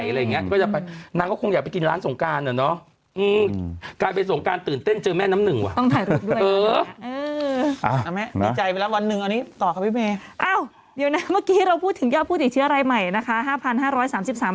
รร์ดอย่างก็จะเป็นโบ้งคนหนึ่งอ่ะไม่ได้รู้สึกว่าตัวเองสู้ดูนะครับต้นเต้นเต้นเต้นเอาเนี่ยก็เจอมีใครอ่ะอ่ะวันหนึ่งตอนมีเวลาพูดถึงยาวพูดอีกชั้นอะไรใหม่นะคะ๕๐๐๐ใคร